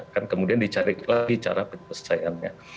kan kemudian dicari lagi cara penyelesaiannya